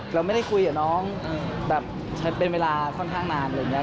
เราไม่ได้คุยกับน้องแบบใช้เป็นเวลาค่อนข้างนานอะไรอย่างนี้